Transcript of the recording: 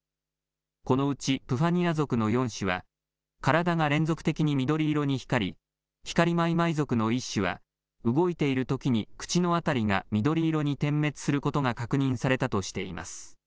このうち、プファニア属の４種は体が連続的に緑色に光り、ヒカリマイマイ属の１種は動いているときに口の辺りが緑色に点滅することが確認されたとしています。